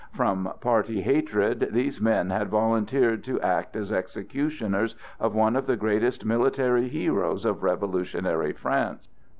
From party hatred, these men had volunteered to act as executioners of one of the greatest military heroes of revolutionary France.